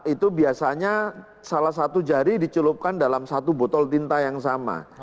itu biasanya salah satu jari dicelupkan dalam satu botol tinta yang sama